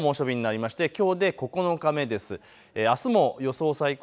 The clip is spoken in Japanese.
きょうも猛暑日になりましてきょうで９日目です。